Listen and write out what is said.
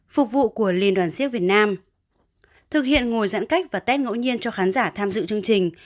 phục vụ của liên đoàn siếc việt nam thực hiện ngồi giãn cách và tết ngẫu nhiên cho khán giả tham dự chương trình